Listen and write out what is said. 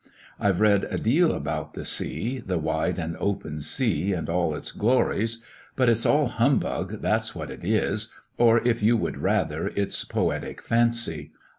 I've read a deal about the sea, the wide and open sea, and all its glories. But it's all humbug, that's what it is; or, if you would rather, it's poetic fancy.